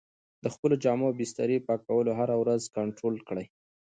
د خپلو جامو او بسترې پاکوالی هره ورځ کنټرول کړئ.